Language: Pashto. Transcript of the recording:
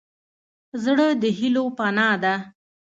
زړه د هيلو پناه ده.